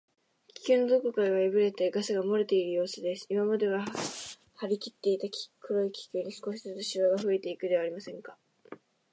気球のどこかがやぶれて、ガスがもれているようすです。今まではりきっていた黒い気球に、少しずつしわがふえていくではありませんか。